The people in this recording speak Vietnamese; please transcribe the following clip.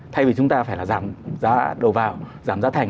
thay vì chúng ta phải là giảm giá đầu vào giảm giá thành